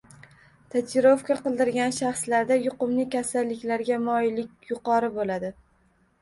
Tatuirovka qildirgan shaxslarda yuqumli kasalliklarga moyillik yuqori boʻladi.